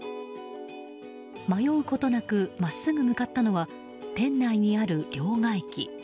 迷うことなく真っすぐ向かったのは店内にある両替機。